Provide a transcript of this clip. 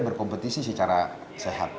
berkompetisi secara sehat